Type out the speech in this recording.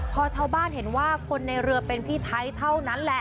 พอชาวบ้านเห็นว่าคนในเรือเป็นพี่ไทยเท่านั้นแหละ